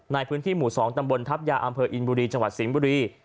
ในพื้นที่หมู่๒ตำบลทัพยาอำเภออินบุรีจังหวัดสิงห์บุรี